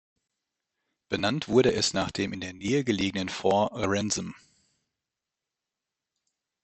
Benannt wurde es nach dem in der Nähe gelegenen Fort Ransom.